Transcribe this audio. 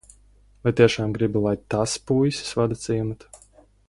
Vai tiešām gribi, lai tas puisis vada ciematu?